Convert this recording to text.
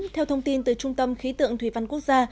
theo thông tin từ trung tâm khí tượng thủy văn quốc gia